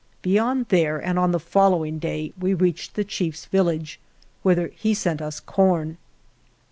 Be yond there, and on the following day, we reached the chief's village, whither he sent us corn.